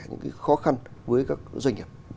những khó khăn với các doanh nghiệp